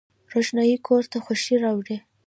روښنايي کور ته خوښي راوړي